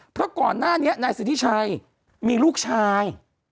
เพราะก่อนหน้านี้นายสิทธิชัยมีลูกชาย